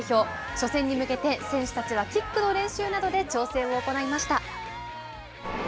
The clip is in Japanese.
初戦に向けて選手たちはキックの練習などで調整を行いました。